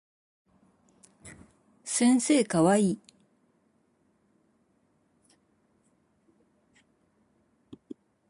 先生かわいい